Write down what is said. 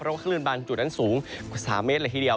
เพราะว่าคลื่นบางจุดนั้นสูงกว่า๓เมตรเลยทีเดียว